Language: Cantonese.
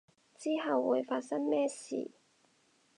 之後會發生咩事